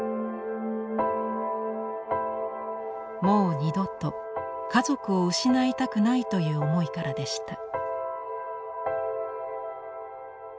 もう二度と家族を失いたくないという思いからでした。